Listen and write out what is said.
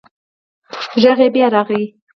غږ بیا راغی.